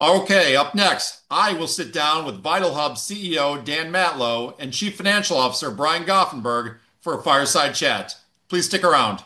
Okay, up next, I will sit down with VitalHub CEO, Dan Matlow and Chief Financial Officer, Brian Goffenberg for a fireside chat. Please stick around.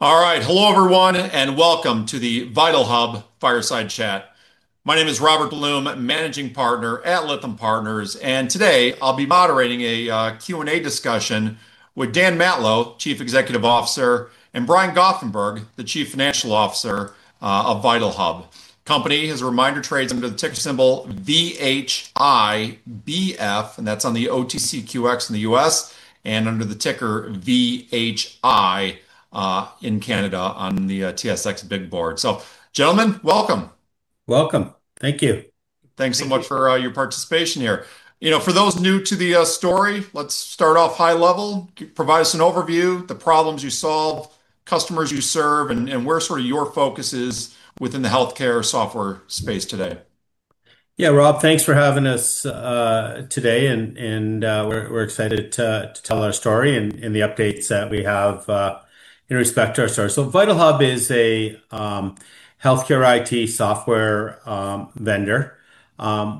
All right, hello everyone, and welcome to the VitalHub fireside chat. My name is Robert Blum, Managing Partner at Lytham Partners, and today I'll be moderating a Q&A discussion with Dan Matlow, Chief Executive Officer, and Brian Goffenberg, the Chief Financial Officer of VitalHub. The company trades under the ticker symbol VHIBF, and that's on the OTCQX in the U.S. and under the ticker VHI in Canada on the TSX Big Board. Gentlemen, welcome. Welcome. Thank you. Thanks so much for your participation here. You know, for those new to the story, let's start off high level. Provide us an overview, the problems you solve, customers you serve, and where sort of your focus is within the healthcare software space today. Yeah, Rob, thanks for having us today, and we're excited to tell our story and the updates that we have in respect to our story. VitalHub is a healthcare IT software vendor.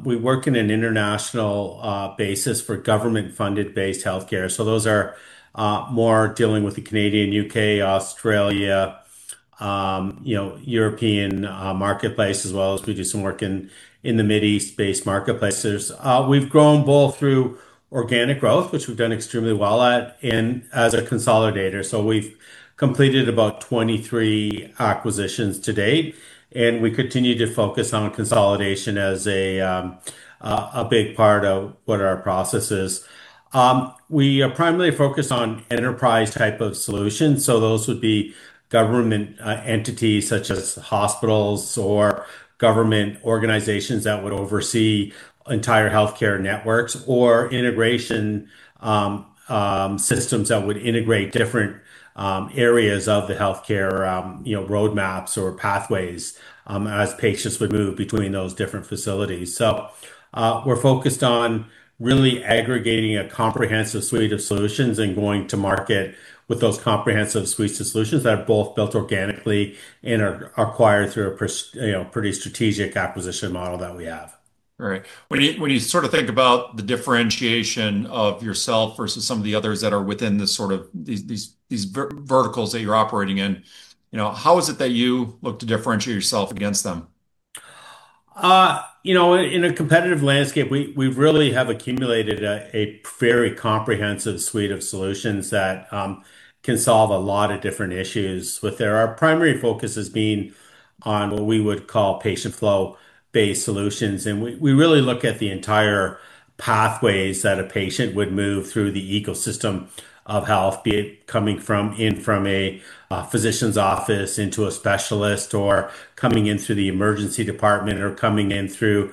We work on an international basis for government-funded-based healthcare. Those are more dealing with the Canadian, UK, Australia, you know, European marketplace, as well as we do some work in the Middle East-based marketplaces. We've grown both through organic growth, which we've done extremely well at, and as a consolidator. We've completed about 23 acquisitions to date, and we continue to focus on consolidation as a big part of what our process is. We are primarily focused on enterprise type of solutions. So, those would be government entities such as hospitals or government organizations that would oversee entire healthcare networks or integration systems that would integrate different areas of the healthcare, you know, roadmaps or pathways as patients would move between those different facilities. So, we're focused on really aggregating a comprehensive suite of solutions and going to market with those comprehensive suites of solutions that are both built organically and are acquired through a pretty strategic acquisition model that we have. All right. When you sort of think about the differentiation of yourself versus some of the others that are within the sort of these verticals that you're operating in, you know, how is it that you look to differentiate yourself against them? You know, in a competitive landscape, we really have accumulated a very comprehensive suite of solutions that can solve a lot of different issues. Our primary focus has been on what we would call patient flow-based solutions, and we really look at the entire pathways that a patient would move through the ecosystem of health, be it coming in from a physician's office into a specialist or coming in through the emergency department or coming in through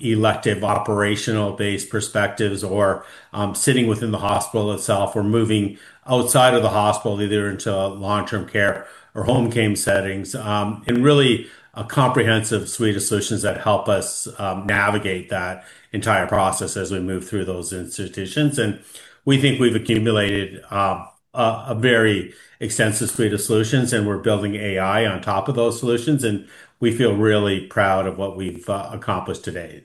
elective operational-based perspectives or sitting within the hospital itself or moving outside of the hospital, either into long-term care or home-care settings, and really a comprehensive suite of solutions that help us navigate that entire process as we move through those institutions, and we think we've accumulated a very extensive suite of solutions, and we're building AI on top of those solutions, and we feel really proud of what we've accomplished today.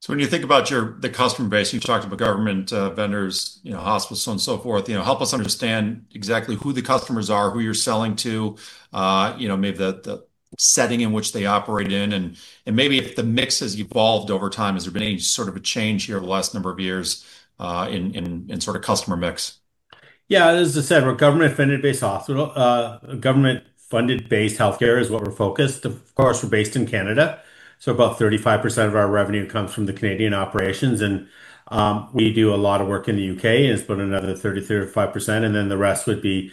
So, when you think about your customer base, you've talked about government vendors, you know, hospitals, so on and so forth, you know, help us understand exactly who the customers are, who you're selling to, you know, maybe the setting in which they operate in, and maybe if the mix has evolved over time, has there been any sort of a change here over the last number of years in sort of customer mix? Yeah, as I said, we're a government-funded-based hospital. Government-funded-based healthcare is what we're focused. Of course, we're based in Canada, so about 35% of our revenue comes from the Canadian operations, and we do a lot of work in the U.K., but another 33%, and then the rest would be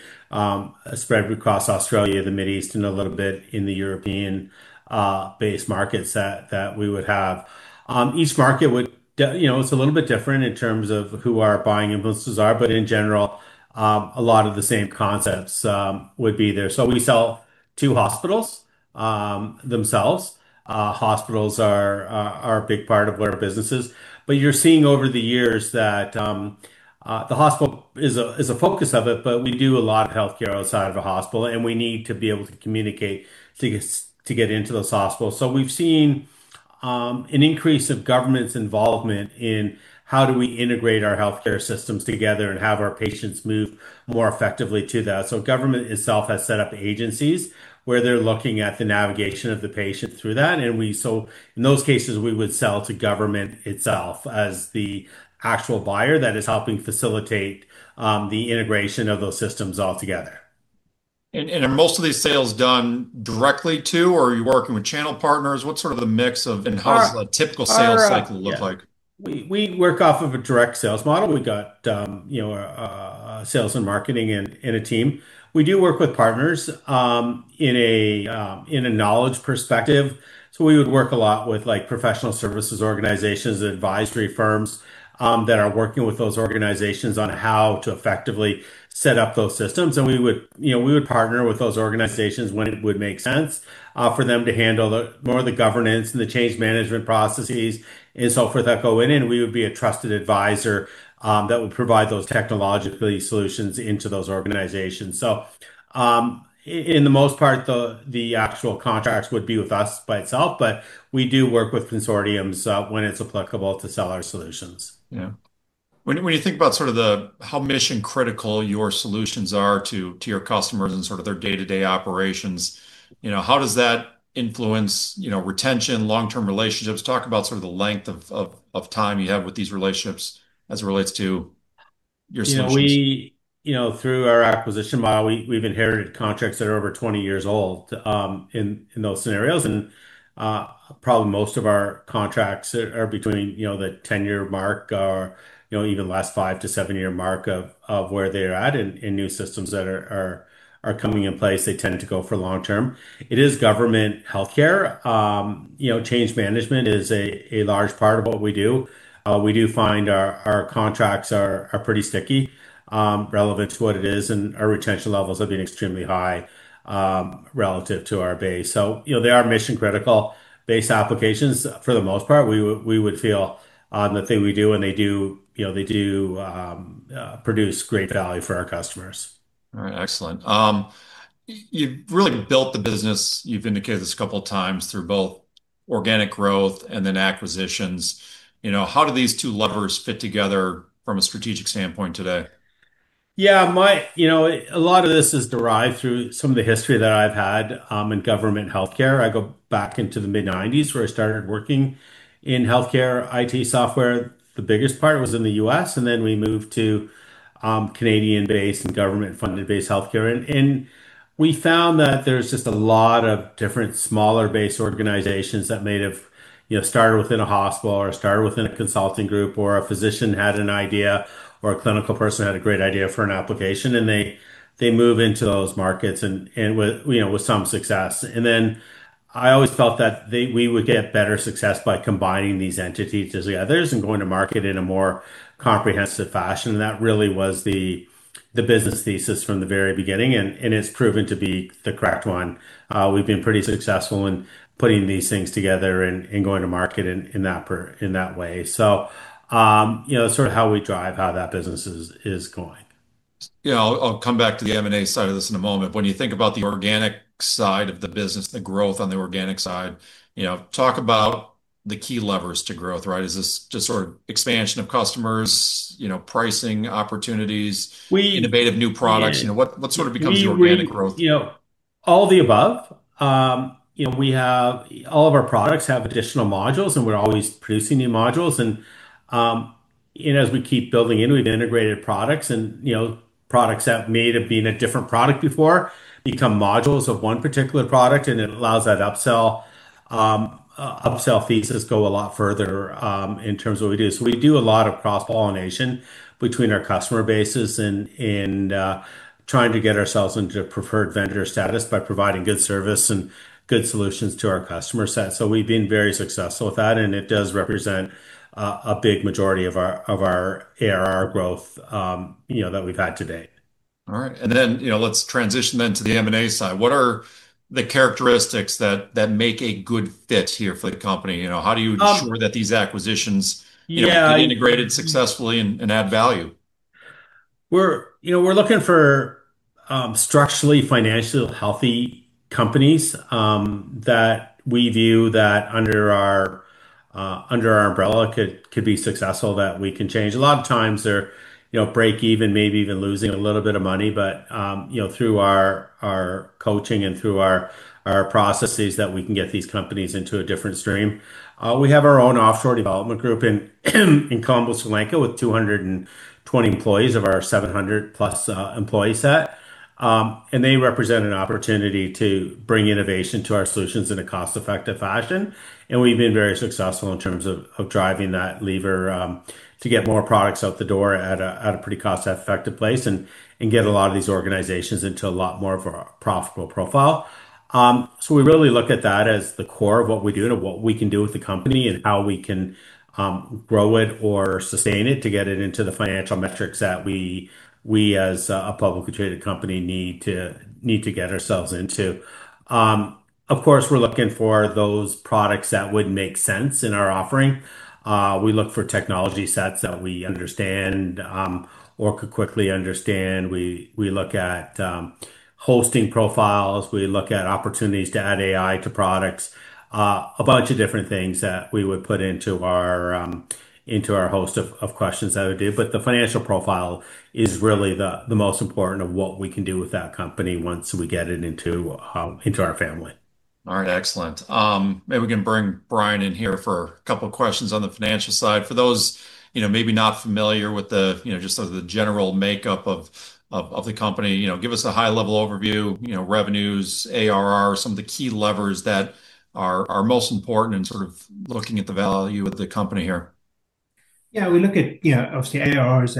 spread across Australia, the Middle East, and a little bit in the European-based markets that we would have. Each market would, you know, it's a little bit different in terms of who our buying influences are, but in general, a lot of the same concepts would be there. So, we sell to hospitals themselves. Hospitals are a big part of what our business is. But you're seeing over the years that the hospital is a focus of it, but we do a lot of healthcare outside of a hospital, and we need to be able to communicate to get into those hospitals. So, we've seen an increase of government's involvement in how do we integrate our healthcare systems together and have our patients move more effectively to that. So, government itself has set up agencies where they're looking at the navigation of the patient through that, and we, so in those cases, we would sell to government itself as the actual buyer that is helping facilitate the integration of those systems altogether. Are most of these sales done directly to, or are you working with channel partners? What sort of a mix of, and how does a typical sales cycle look like? We work off of a direct sales model. We've got, you know, sales and marketing in a team. We do work with partners in a knowledge perspective, so we would work a lot with, like, professional services organizations and advisory firms that are working with those organizations on how to effectively set up those systems, and we would, you know, we would partner with those organizations when it would make sense for them to handle more of the governance and the change management processes and so forth that go in, and we would be a trusted advisor that would provide those technological solutions into those organizations, so in the most part, the actual contracts would be with us by itself, but we do work with consortiums when it's applicable to sell our solutions. Yeah. When you think about sort of how mission-critical your solutions are to your customers and sort of their day-to-day operations, you know, how does that influence, you know, retention, long-term relationships? Talk about sort of the length of time you have with these relationships as it relates to your solutions. You know, we, you know, through our acquisition model, we've inherited contracts that are over 20 years old in those scenarios, and probably most of our contracts are between, you know, the 10-year mark or, you know, even less, five to seven-year mark of where they're at in new systems that are coming in place. They tend to go for long-term. It is government healthcare. You know, change management is a large part of what we do. We do find our contracts are pretty sticky. Relevance to what it is and our retention levels have been extremely high relative to our base. So, you know, they are mission-critical-based applications for the most part. We would feel on the thing we do, and they do, you know, they do produce great value for our customers. All right, excellent. You've really built the business, you've indicated this a couple of times, through both organic growth and then acquisitions. You know, how do these two levers fit together from a strategic standpoint today? Yeah, you know, a lot of this is derived through some of the history that I've had in government healthcare. I go back into the mid-90s where I started working in healthcare IT software. The biggest part was in the U.S., and then we moved to Canadian-based and government-funded-based healthcare. And we found that there's just a lot of different smaller-based organizations that may have, you know, started within a hospital or started within a consulting group, or a physician had an idea or a clinical person had a great idea for an application, and they move into those markets and, you know, with some success. And then I always felt that we would get better success by combining these entities as others and going to market in a more comprehensive fashion. And that really was the business thesis from the very beginning, and it's proven to be the correct one. We've been pretty successful in putting these things together and going to market in that way. So, you know, sort of how we drive how that business is going. You know, I'll come back to the M&A side of this in a moment. When you think about the organic side of the business, the growth on the organic side, you know, talk about the key levers to growth, right? Is this just sort of expansion of customers, you know, pricing opportunities, innovative new products? You know, what sort of becomes the organic growth? You know, all the above. You know, all of our products have additional modules, and we're always producing new modules. And as we keep building into integrated products and, you know, products that may have been a different product before become modules of one particular product, and it allows that upsell thesis to go a lot further in terms of what we do. So, we do a lot of cross-pollination between our customer bases and trying to get ourselves into preferred vendor status by providing good service and good solutions to our customer set. So, we've been very successful with that, and it does represent a big majority of our ARR growth, you know, that we've had to date. All right, and then, you know, let's transition then to the M&A side. What are the characteristics that make a good fit here for the company? You know, how do you ensure that these acquisitions, you know, can be integrated successfully and add value? We're, you know, we're looking for structurally financially healthy companies that we view that under our umbrella could be successful that we can change. A lot of times they're, you know, break even, maybe even losing a little bit of money, but, you know, through our coaching and through our processes that we can get these companies into a different stream. We have our own offshore development group in Colombo, Sri Lanka with 220 employees of our 700-plus employee set, and they represent an opportunity to bring innovation to our solutions in a cost-effective fashion, and we've been very successful in terms of driving that lever to get more products out the door at a pretty cost-effective place and get a lot of these organizations into a lot more of a profitable profile. We really look at that as the core of what we do and what we can do with the company and how we can grow it or sustain it to get it into the financial metrics that we as a publicly traded company need to get ourselves into. Of course, we're looking for those products that would make sense in our offering. We look for technology sets that we understand or could quickly understand. We look at hosting profiles. We look at opportunities to add AI to products, a bunch of different things that we would put into our host of questions that we do. But the financial profile is really the most important of what we can do with that company once we get it into our family. All right, excellent. Maybe we can bring Brian in here for a couple of questions on the financial side. For those, you know, maybe not familiar with the, you know, just sort of the general makeup of the company, you know, give us a high-level overview, you know, revenues, ARR, some of the key levers that are most important in sort of looking at the value of the company here. Yeah, we look at, you know, obviously ARR is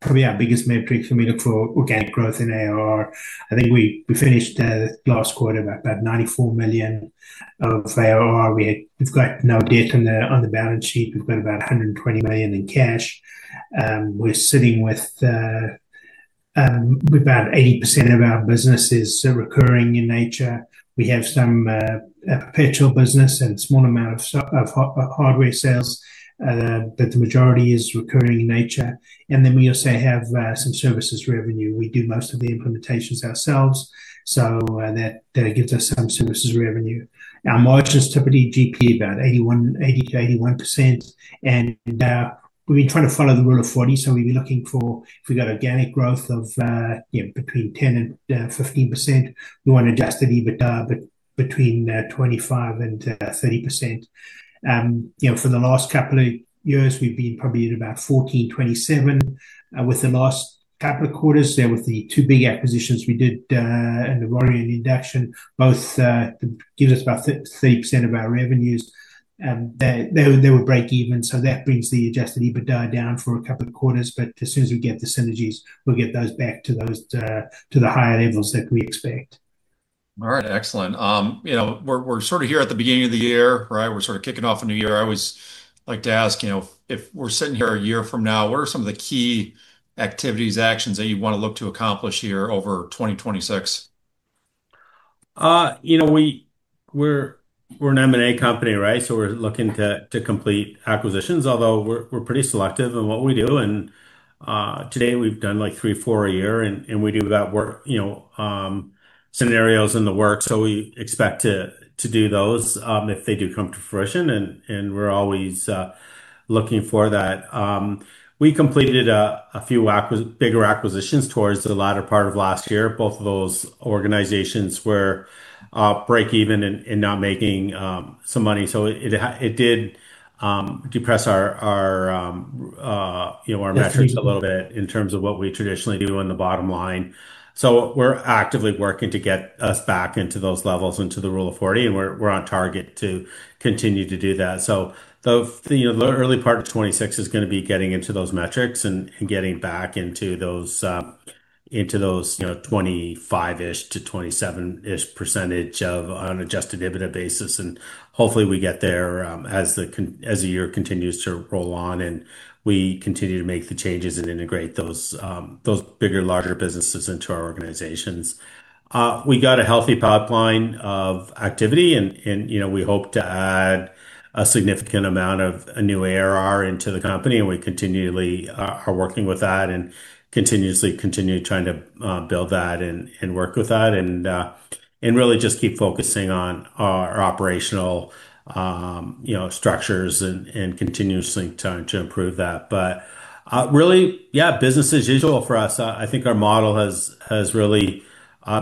probably our biggest metric. We look for organic growth in ARR. I think we finished last quarter about 94 million of ARR. We've got no debt on the balance sheet. We've got about 120 million in cash. We're sitting with about 80% of our business is recurring in nature. We have some perpetual business and a small amount of hardware sales, but the majority is recurring in nature. And then we also have some services revenue. We do most of the implementations ourselves, so that gives us some services revenue. Our margin is typically GP, about 80%-81%. And we've been trying to follow the Rule of 40, so we've been looking for, if we've got organic growth of between 10%-15%, we want adjusted EBITDA between 25%-30%. You know, for the last couple of years, we've been probably at about 14-27 with the last couple of quarters. There were the two big acquisitions we did Novari and Induction. Both give us about 30% of our revenues. They were break-even, so that brings the adjusted EBITDA down for a couple of quarters, but as soon as we get the synergies, we'll get those back to the higher levels that we expect. All right, excellent. You know, we're sort of here at the beginning of the year, right? We're sort of kicking off a new year. I always like to ask, you know, if we're sitting here a year from now, what are some of the key activities, actions that you want to look to accomplish here over 2026? You know, we're an M&A company, right? So, we're looking to complete acquisitions, although we're pretty selective in what we do, and today we've done like three, four a year, and we do about, you know, scenarios in the works. So, we expect to do those if they do come to fruition, and we're always looking for that. We completed a few bigger acquisitions towards the latter part of last year. Both of those organizations were breakeven and not making some money, so it did depress our, you know, our metrics a little bit in terms of what we traditionally do on the bottom line, so we're actively working to get us back into those levels, into the Rule of 40, and we're on target to continue to do that. The early part of 2026 is going to be getting into those metrics and getting back into those, you know, 25%-ish to 27%-ish percentage of an adjusted EBITDA basis. Hopefully we get there as the year continues to roll on and we continue to make the changes and integrate those bigger, larger businesses into our organizations. We got a healthy pipeline of activity, and, you know, we hope to add a significant amount of a new ARR into the company, and we continually are working with that and continuously continue trying to build that and work with that and really just keep focusing on our operational, you know, structures and continuously trying to improve that. Really, yeah, business as usual for us. I think our model has really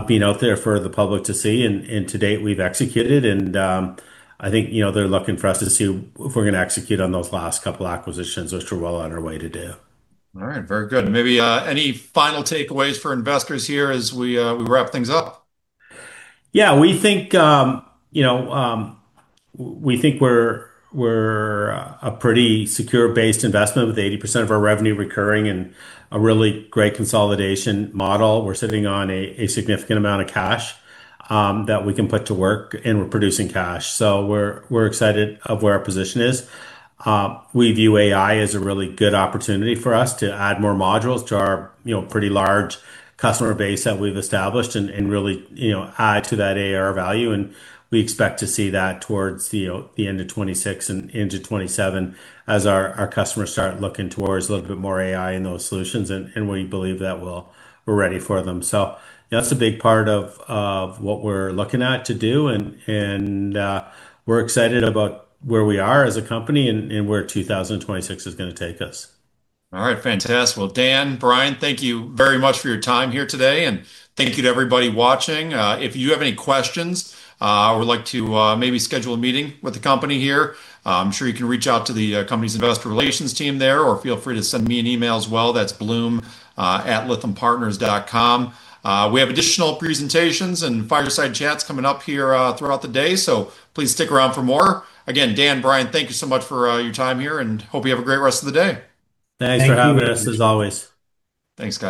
been out there for the public to see, and to date we've executed, and I think, you know, they're looking for us to see if we're going to execute on those last couple of acquisitions, which we're well on our way to do. All right, very good. Maybe any final takeaways for investors here as we wrap things up? Yeah, we think, you know, we think we're a pretty secure-based investment with 80% of our revenue recurring and a really great consolidation model. We're sitting on a significant amount of cash that we can put to work, and we're producing cash, so we're excited of where our position is. We view AI as a really good opportunity for us to add more modules to our, you know, pretty large customer base that we've established and really, you know, add to that ARR value, and we expect to see that towards, you know, the end of 2026 and into 2027 as our customers start looking towards a little bit more AI in those solutions, and we believe that we're ready for them. So, that's a big part of what we're looking at to do, and we're excited about where we are as a company and where 2026 is going to take us. All right, fantastic. Well, Dan, Brian, thank you very much for your time here today, and thank you to everybody watching. If you have any questions, I would like to maybe schedule a meeting with the company here. I'm sure you can reach out to the company's investor relations team there, or feel free to send me an email as well. That's blum@lythampartners.com. We have additional presentations and fireside chats coming up here throughout the day, so please stick around for more. Again, Dan, Brian, thank you so much for your time here, and hope you have a great rest of the day. Thanks for having us, as always. Thanks, guys.